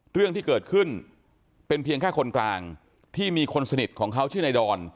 เรื่องที่เกิดขึ้นเป็นเพียงแค่คนกลางที่มีคนสนิทของเขาชื่อในดอน